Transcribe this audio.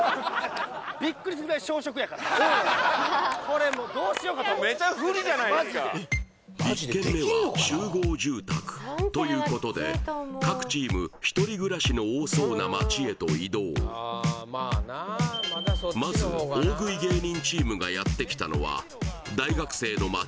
これもうどうしようかとマジで１軒目は集合住宅ということで各チーム１人暮らしの多そうな街へと移動まず大食い芸人チームがやってきたのは大学生の街